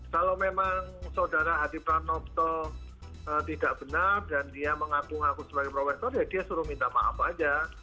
kalau memang saudara hadi pranoto tidak benar dan dia mengaku ngaku sebagai profesor ya dia suruh minta maaf aja